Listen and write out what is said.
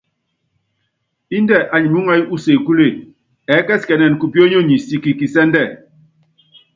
Índɛ anyi muúŋayú usekúle, ɛɛ́kɛsikɛnɛn kupionyonyi siki kisɛ́ndɛ.